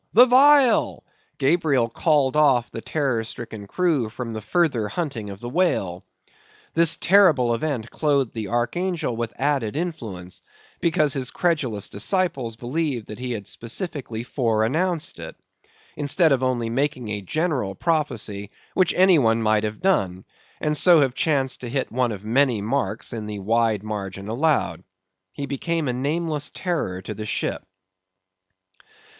the vial!" Gabriel called off the terror stricken crew from the further hunting of the whale. This terrible event clothed the archangel with added influence; because his credulous disciples believed that he had specifically fore announced it, instead of only making a general prophecy, which any one might have done, and so have chanced to hit one of many marks in the wide margin allowed. He became a nameless terror to the ship.